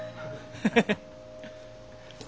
ハハハッ！